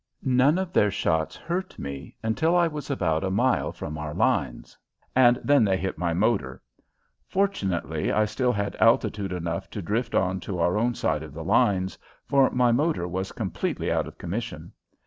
None of their shots hurt me until I was about a mile from our lines, and then they hit my motor. Fortunately I still had altitude enough to drift on to our own side of the lines, for my motor was completely out of commission.